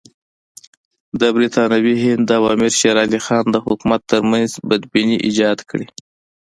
د برټانوي هند او امیر شېر علي خان د حکومت ترمنځ بدبیني ایجاد کړي.